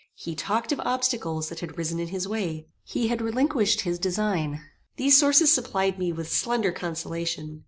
He talked of obstacles that had risen in his way. He had relinquished his design. These sources supplied me with slender consolation.